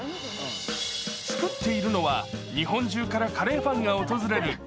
作っているのは、日本中からカレーファンが訪れる